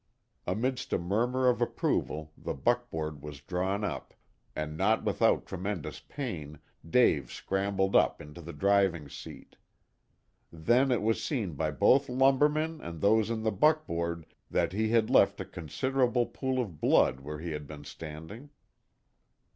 Amidst a murmur of approval the buckboard was drawn up, and not without tremendous pain Dave scrambled up into the driving seat. Then it was seen by both lumbermen and those in the buckboard that he had left a considerable pool of blood where he had been standing.